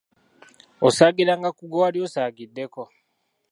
Osaagiranga ku gwe wali osaagiddeko.